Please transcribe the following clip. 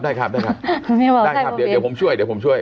ได้ครับเดี๋ยวผมช่วย